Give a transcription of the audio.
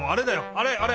あれあれ！